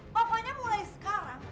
pokoknya mulai sekarang